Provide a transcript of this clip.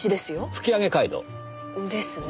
吹上街道？ですね。